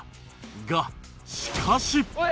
がしかし！